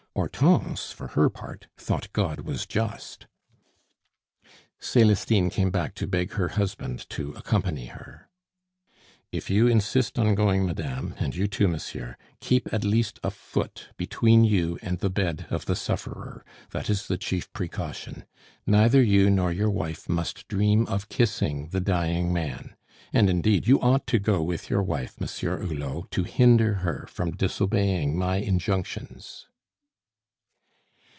Hortense, for her part, thought God was just. Celestine came back to beg her husband to accompany her. "If you insist on going, madame, and you too, monsieur, keep at least a foot between you and the bed of the sufferer, that is the chief precaution. Neither you nor your wife must dream of kissing the dying man. And, indeed, you ought to go with your wife, Monsieur Hulot, to hinder her from disobeying my injunctions."